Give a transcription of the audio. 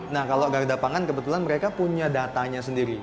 nah kalau garda pangan kebetulan mereka punya datanya sendiri